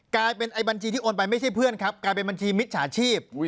กลายเป็นไอบัญชีที่โอนไปไม่ใช่เพื่อนครับกลายเป็นบัญชีมิจฉาชีพ